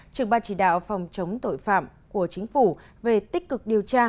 trường ban chỉ đạo phòng chống tội phạm của chính phủ về tích cực điều tra